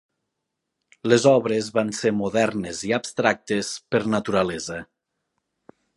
Les obres van ser modernes i abstractes per naturalesa.